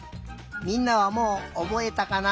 みんなはもうおぼえたかな？